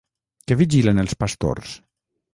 Què vigilen els pastors?